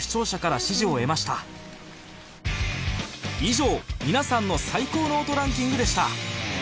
以上皆さんの最高の音ランキングでした